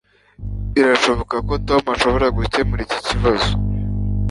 Birashoboka ko Tom ashobora gukemura iki kibazo